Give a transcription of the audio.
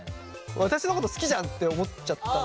私のこと好きじゃんって思っちゃったね。